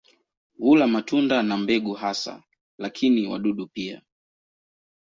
Hula matunda na mbegu hasa, lakini wadudu pia.